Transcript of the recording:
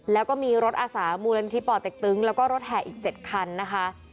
แล้วก็มีรถอาสามูลนิธิป่อเต็กตึงแล้วก็รถแห่อีก๗คันนะคะ